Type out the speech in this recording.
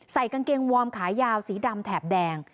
ใส่กางเกงวอร์มขายาวสีดำแถบแดง